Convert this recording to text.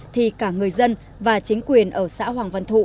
thì cả người dân và chính quyền ở xã hoàng văn thụ